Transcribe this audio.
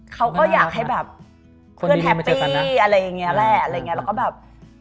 เขาก็อยากให้แบบ